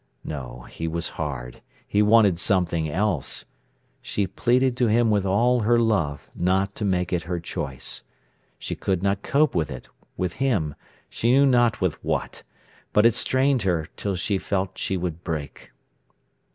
No, he was hard. He wanted something else. She pleaded to him with all her love not to make it her choice. She could not cope with it, with him, she knew not with what. But it strained her till she felt she would break.